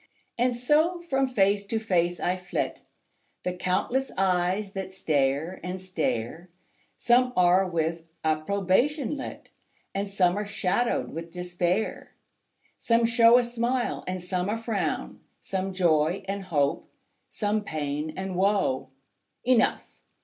And so from face to face I flit, The countless eyes that stare and stare; Some are with approbation lit, And some are shadowed with despair. Some show a smile and some a frown; Some joy and hope, some pain and woe: Enough!